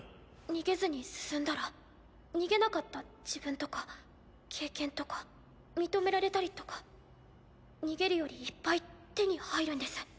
逃げずに進んだら逃げなかった自分とか経験とか認められたりとか逃げるよりいっぱい手に入るんです。